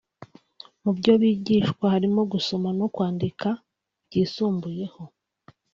Mu byo bigishwa harimo gusoma no kwandika byisumbuyeho